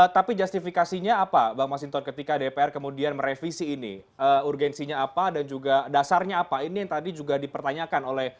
ya baik bang mas hinton tadi ada pertanyaan juga dari bang adnan